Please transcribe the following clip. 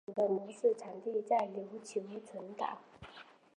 该物种的模式产地在琉球群岛。